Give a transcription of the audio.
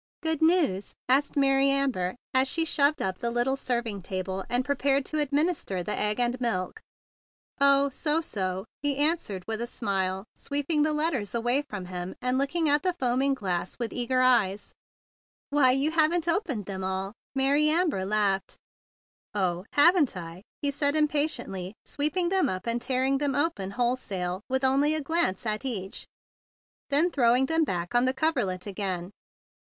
"Good news?" asked Mary Amber as she shoved up the little serving table and prepared to administer the egg and milk. "Oh, so so!" he answered with a smile, sweeping the letters away from him and looking at the foaming glass with eager eyes. THE BIG BLUE SOLDIER 157 "Why! You haven't opened them all!" laughed Mary Amber. "Oh! Haven't I?" he said impa¬ tiently, sweeping them up and tearing them open wholesale with only a glance at each, then throwing them back on the coverlet again.